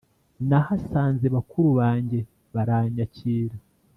nahasanze bakuru banjye baranyakira